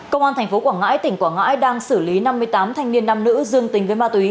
công an tp quảng ngãi tỉnh quảng ngãi đang xử lý năm mươi tám thanh niên nam nữ dương tình với ma túy